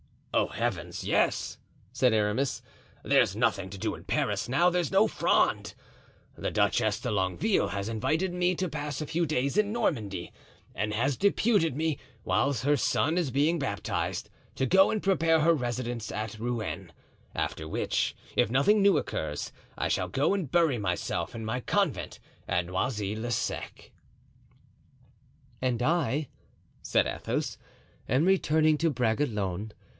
"Oh, heavens! yes," said Aramis. "There's nothing to do in Paris now there's no Fronde. The Duchess de Longueville has invited me to pass a few days in Normandy, and has deputed me, while her son is being baptized, to go and prepare her residence at Rouen; after which, if nothing new occurs, I shall go and bury myself in my convent at Noisy le Sec." "And I," said Athos, "am returning to Bragelonne.